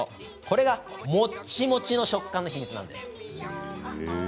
これが、もっちもちの食感の秘密なんです。